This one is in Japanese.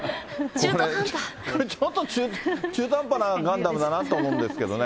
ちょっと中途半端なガンダムだなと思うんですけどね。